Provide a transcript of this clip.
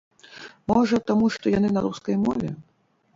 Можа, таму што яны на рускай мове?